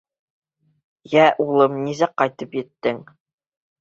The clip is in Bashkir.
Йә, улым, нисек ҡайтып еттең?